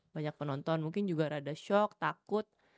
banyak penonton mungkin juga rada shock takut